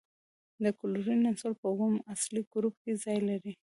د کلورین عنصر په اووم اصلي ګروپ کې ځای لري.